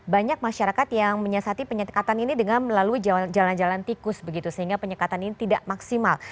banyak masyarakat yang menyiasati penyekatan ini dengan melalui jalan jalan tikus begitu sehingga penyekatan ini tidak maksimal